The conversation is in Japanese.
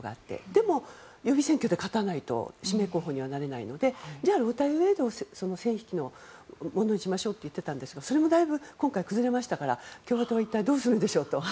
でも予備選挙で勝たないと指名候補にはなれないのでじゃあ、ロー対ウェイドを線引きのものにしましょうと言っていたんですけどそれもだいぶ今回、崩れましたから共和党は一体どうするんでしょうと。